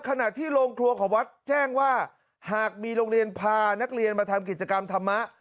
ขณะที่โรงครัวของวัดแจ้งว่าหากมีโรงเรียนพานักเรียนมาทำกิจกรรมธรรมะ